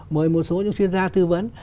mời một số những chuyên gia tư vấn